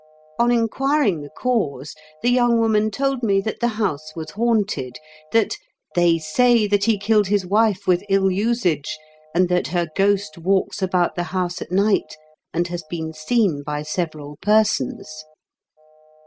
On inquiring the cause, the young woman told me that the house was haunted — that "they say that he killed his wife with ill usage, and that her ghost walks about the house at night, and has been seen by several persons."